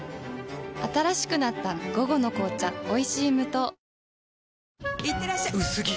新しくなった「午後の紅茶おいしい無糖」いってらっしゃ薄着！